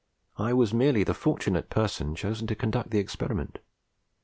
I was merely the fortunate person chosen to conduct the experiment.